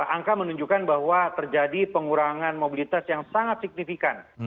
angka menunjukkan bahwa terjadi pengurangan mobilitas yang sangat signifikan